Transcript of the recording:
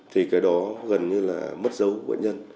thì cái đó gần như là mất dấu của bệnh nhân